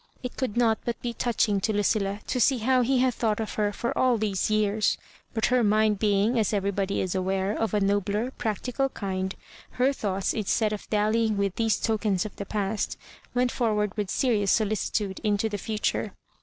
It could not but be touching to Lucilla to see how he had thought of her for all these years ; but her mind being, as everybody is aware, of a nobler, practi cal kind, her tl'oughts, instead of dallyirig with these tokens of the past, went forward with serious solicitude into the future.